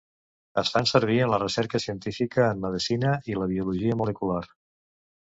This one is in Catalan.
Es fan servir en la recerca científica en medicina i la biologia molecular.